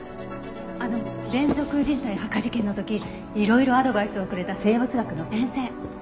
あの連続人体発火事件の時いろいろアドバイスをくれた生物学の先生。